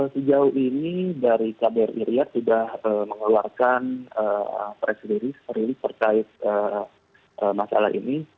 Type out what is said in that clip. sejauh ini dari kbr iryad sudah mengeluarkan presidisi percaya masalah ini